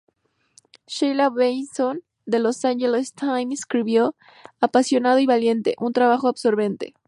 Sheila Benson de "Los Angeles Times" escribió: ""apasionado y valiente, un trabajo absorbente".